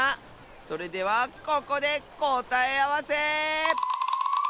それではここでこたえあわせ！